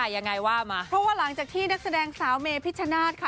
ยังไงว่ามาเพราะว่าหลังจากที่นักแสดงสาวเมพิชชนาธิ์ค่ะ